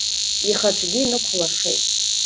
Ихаҿгьы нықәлашеит.